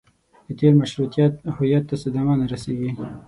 د تېر مشروطیت هویت ته صدمه نه رسېږي.